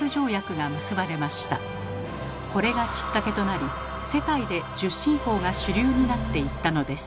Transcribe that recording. これがきっかけとなり世界で１０進法が主流になっていったのです。